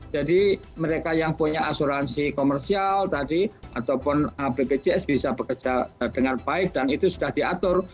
jadi mereka yang punya asuransi komersial tadi ataupun pbjs bisa bekerja dengan baik dan itu sudah diatur